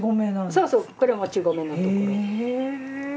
そうそうこれもち米のところ。